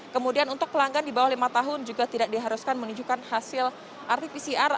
kemudian untuk pelanggan di bawah lima tahun juga tidak diharuskan menunjukkan hasil rt pcr